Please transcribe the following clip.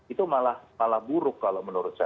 itu malah buruk kalau menurut saya